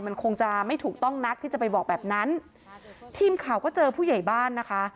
มันคงจะไม่ถูกต้องนักที่จะไปบอกแบบนั้นทีมข่าวก็เจอผู้ใหญ่บ้านนะคะ